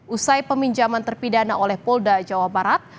usai peminjaman terpidana oleh polda jawa barat